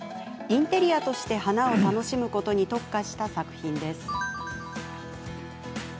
インテリアとして花を楽しむことに特化した作品です。